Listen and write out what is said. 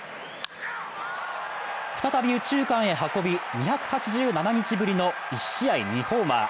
再び右中間へ運び、２８７日ぶりの１試合２ホーマー。